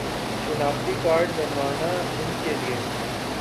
شناختی کارڈ بنوانا ان کے لیے